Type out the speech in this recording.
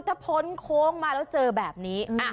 ถ้าพ้นโค้งมาแล้วเจอแบบนี้